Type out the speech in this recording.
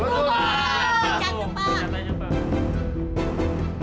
pecat dong pak